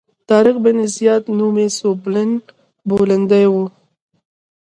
طارق بن زیاد نومي سوبمن بولندوی و.